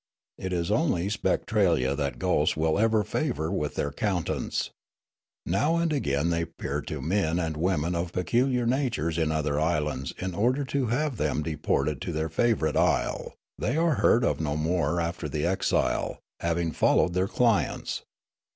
It is only Spectralia that ghosts will ever favour with their countenance. Now and again they appear to men and women of peculiar natures in other islands in order to have them deported to their favourite isle ; they are heard of no more after the exile, having followed their clients.